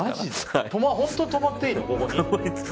本当に泊まっていいの？